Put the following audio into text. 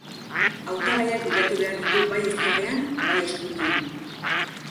Hautagaiak bilatu behar ditu bai ezkerrean, bai eskuinean.